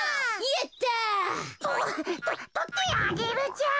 やった！ととってアゲルちゃん。